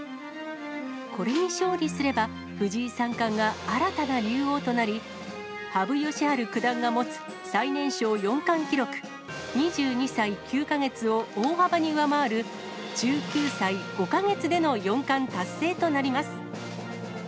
これに勝利すれば、藤井三冠が新たな竜王となり、羽生善治九段が持つ最年少四冠記録、２２歳９か月を大幅に上回る、１９歳５か月での四冠達成となります。